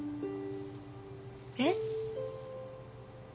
えっ？